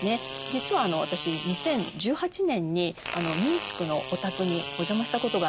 実は私２０１８年にミンスクのお宅にお邪魔したことがありまして。